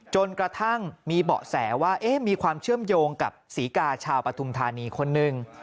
จนกระทั่งมีเบาะแสว่ามีความเชื่อมโยงกับศรีกาชาวปฐุมธานีคนหนึ่ง